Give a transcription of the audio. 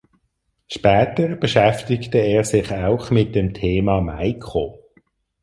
Später beschäftigte er sich auch mit dem Thema Maiko.